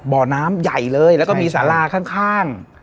บ่อน้ำใหญ่เลยแล้วก็มีสาราข้าง